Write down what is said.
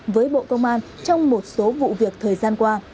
với bộ công an trong một số vụ việc thời gian qua